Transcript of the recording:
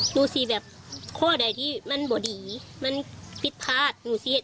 หนูเลี่ยงเขาให้ดีได้ให้แบบให้มันผ่านตรงนี้ไปได้ดูซิแบบ